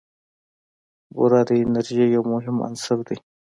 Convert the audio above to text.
بوره د انرژۍ یو مهم عنصر دی.